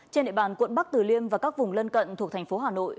trên địa bàn quận bắc từ liêm và các vùng lân cận thuộc thành phố hà nội